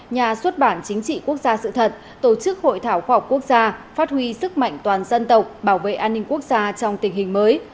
nhà xuất bản chính trị quốc gia sự thật tổ chức hội thảo khoa học quốc gia phát huy sức mạnh toàn dân tộc bảo vệ an ninh quốc gia trong tình hình mới